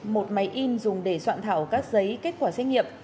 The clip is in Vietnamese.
một máy in dùng để soạn thảo các giấy kết quả xét nghiệm